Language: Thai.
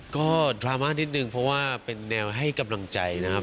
ก็ดราม่านิดนึงเพราะว่าเป็นแนวให้กำลังใจนะครับ